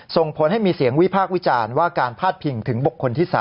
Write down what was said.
ส่งผลให้มีเสียงวิพากษ์วิจารณ์ว่าการพาดพิงถึงบุคคลที่๓